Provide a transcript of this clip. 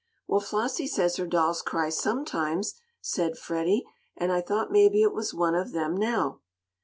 "Well, Flossie says her dolls cry, sometimes," said Freddie, "and I thought maybe It was one of them now."